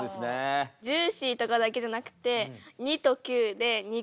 ジューシーとかだけじゃなくて２と９で「肉」とか。